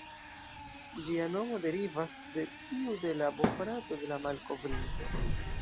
Ĝia nomo derivas de tiu de la bofrato de la malkovrinto.